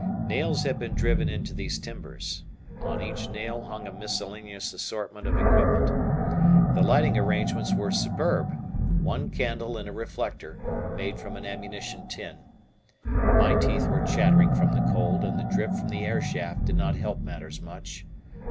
Nails had been driven into these timbers. On each nail hung a miscellaneous assortment of equipment. The lighting arrangements were superb one candle in a reflector made from an ammunition tin. My teeth were chattering from the cold, and the drip from the airshaft did not help matters much.